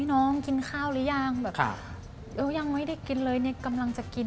น้องกินข้าวหรือยังแบบเออยังไม่ได้กินเลยเนี่ยกำลังจะกิน